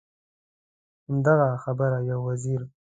همدغه خبره یو وزیر.